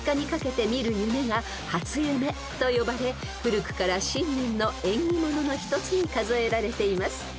［と呼ばれ古くから新年の縁起物の一つに数えられています］